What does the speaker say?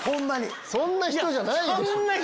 そんな人じゃないでしょ。